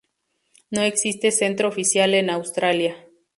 No existe centro oficial en Australia.